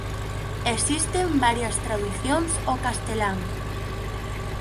Existen varias traducións ao castelán.